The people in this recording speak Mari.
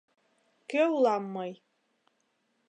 «Кӧ улам мый?